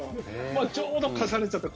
ちょうど重なっちゃった。